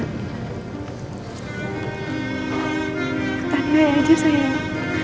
tandai aja sayang